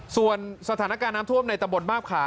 ส่วนสถานการณ์น้ำท่วมในตำบลมาบขา